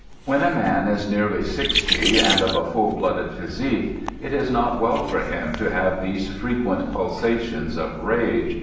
When a man is nearly sixty and of a full blooded physique, it is not well for him to have these frequent pulsations of rage.